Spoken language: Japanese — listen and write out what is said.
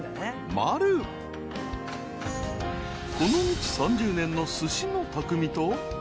［この道３０年のすしの匠と］